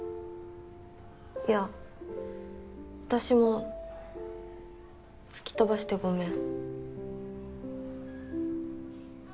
いや私も突き飛ばしてごめん。